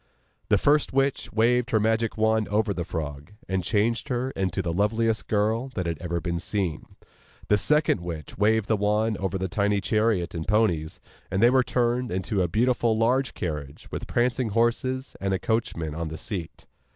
The first witch waved her magic wand over the frog, and changed her into the loveliest girl that had ever been seen. The second witch waved the wand over the tiny chariot and ponies, and they were turned into a beautiful large carriage with prancing horses, and a coachman on the seat.